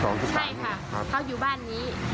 น้องหนูเนี่ยมีคนกว่ายิง